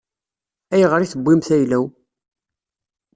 Ayɣer i tewwimt ayla-w?